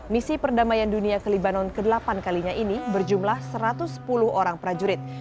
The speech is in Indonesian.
misi perdamaian dunia ke libanon ke delapan kalinya ini berjumlah satu ratus sepuluh orang prajurit